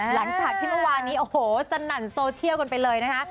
หลังจากที่เมื่อวานนี้โอ้โหสนั่นโซเชียลกันไปเลยนะคะ